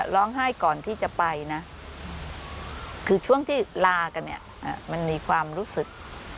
ร้องไห้ก่อนที่จะไปนะคือช่วงที่ลากันเนี่ยมันมีความรู้สึก